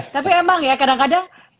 tapi emang ya kadang kadang